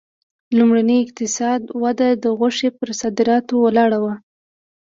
لومړنۍ اقتصادي وده د غوښې پر صادراتو ولاړه وه.